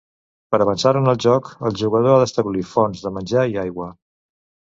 Per avançar en el joc, el jugador ha d'establir fonts de menjar i aigua.